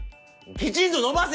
きちんと伸ばせ！